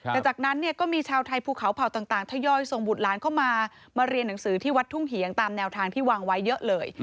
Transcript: แต่จากนั้นเนี่ยก็มีชาวไทยภูเขาเผ่าต่างทยอยส่งบุตรหลานเข้ามามาเรียนหนังสือที่วัดทุ่งเหียงตามแนวทางที่วางไว้เยอะเลย